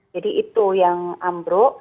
jadi itu yang ambro